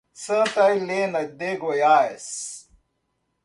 Santa Helena de Goiás